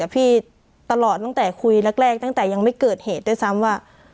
พี่ตลอดตั้งแต่คุยแรกตั้งแต่ยังไม่เกิดเหตุด้วยซ้ำว่า